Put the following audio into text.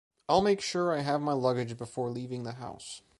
I’ll make sure I have my luggage before leaving the house.